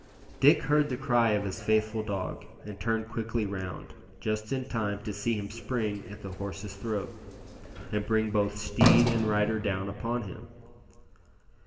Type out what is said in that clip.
Dick heard the cry of his faithful dog, and turned quickly round, just in time to see him spring at the horse's throat, and bring both steed and rider down upon him.